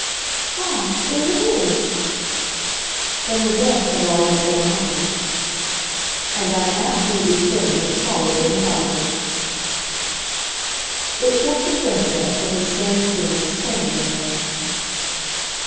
"Ah, there it is!" But her guest had already gone on. "And I'm absolutely certain that Charlotte wouldn't either." It kept the Princess, with her strange grimace, standing there.